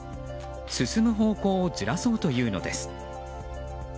進む方向をずらそうというのです。